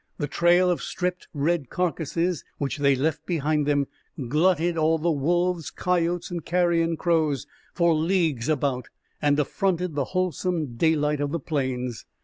The trail of stripped red carcasses which they left behind them glutted all the wolves, coyotes, and carrion crows for leagues about, and affronted the wholesome daylight of the plains.